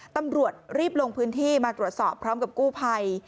ตำรวจรีบลงพื้นที่มาตรวจสอบพร้อมกับกู้ภัย